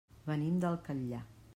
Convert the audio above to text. Venim del Catllar.